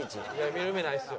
見る目ないですよ。